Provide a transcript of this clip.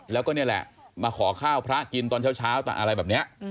แล้วก็นี่แหละมาขอข้าวพระกินตอนเช้าอะไรแบบนี้